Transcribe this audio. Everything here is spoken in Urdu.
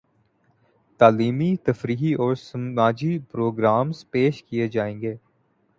تعلیمی ، تفریحی اور سماجی پرو گرامز پیش کیے جائیں گے